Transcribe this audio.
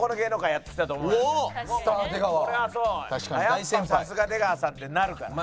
「やっぱさすが出川さん」ってなるから。